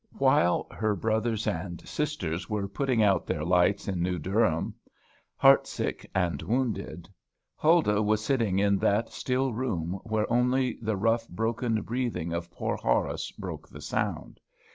While her brothers and sisters were putting out their lights at New Durham, heart sick and wounded, Huldah was sitting in that still room, where only the rough broken breathing of poor Horace broke the sound.